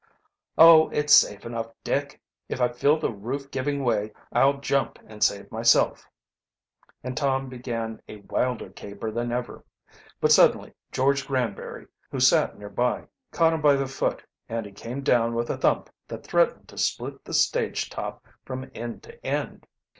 "Oh, it's safe enough, Dick. If I feel the roof giving way I'll jump and save myself," and Tom began a wilder caper than ever. But suddenly George Granbury, who sat nearby, caught him by the foot, and he came down with a thump that threatened to split the stage top from end to end.